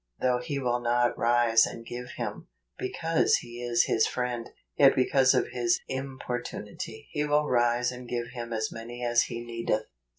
Though he will not rise and give him, because he is his friend, yet because of his importunity he will rise and give him as many as he needeth."